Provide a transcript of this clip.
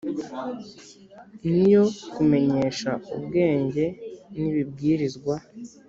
Ni iyo kumenyesha ubwenge n’ibibwirizwa